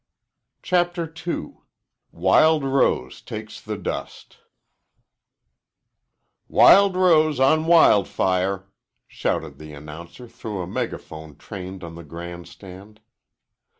CHAPTER II WILD ROSE TAKES THE DUST "Wild Rose on Wild Fire," shouted the announcer through a megaphone trained on the grand stand.